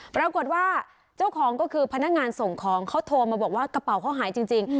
ปรากฏว่าเจ้าของก็คือพนักงานส่งของเขาโทรมาบอกว่ากระเป๋าเขาหายจริง